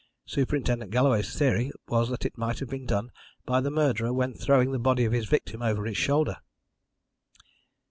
Superintendent Galloway's theory was that it might have been done by the murderer when throwing the body of his victim over his shoulder.